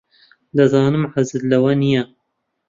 دەزانم حەزت لەو نییە.